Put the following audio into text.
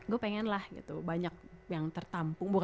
gue pengen lah gitu banyak yang tertampung